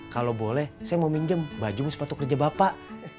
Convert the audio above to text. kalau boleh saya mau minjem baju nih sepatu kerja bapak